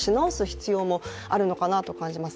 必要もあるのかなと感じます。